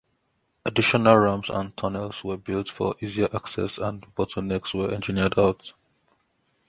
Additional ramps and tunnels were built for easier access, and bottlenecks were engineered out.